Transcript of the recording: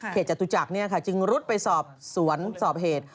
เหตุจัตุจักรนี่ค่ะจึงรุดไปสอบสวนสอบเหตุ